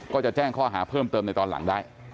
ก็จะแจ้งข้อหาเพิ่มเติมในตอนหลังได้